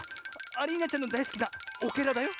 アリーナちゃんのだいすきなオケラだよ。